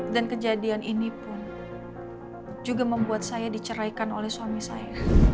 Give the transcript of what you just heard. dan kejadian ini pun juga membuat saya diceraikan oleh suami saya